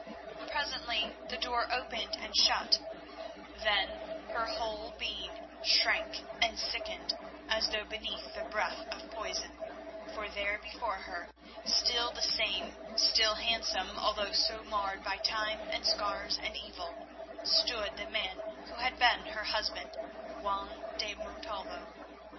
Presently the door opened and shut; then her whole being shrank and sickened as though beneath the breath of poison, for there before her, still the same, still handsome, although so marred by time and scars and evil, stood the man who had been her husband, Juan de Montalvo.